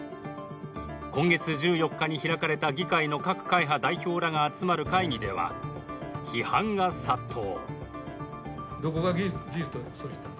今月１４日に開かれた議会の各会派代表らが集まる会議では批判が殺到。